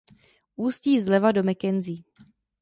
Ústí zleva do Mackenzie.